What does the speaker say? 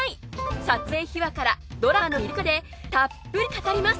撮影秘話からドラマの魅力までたっぷり語ります。